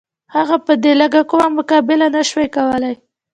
هغه په دې لږه قوه مقابله نه شوای کولای.